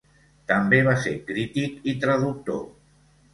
També va ser crític i traductor.